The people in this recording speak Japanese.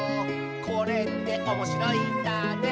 「これっておもしろいんだね」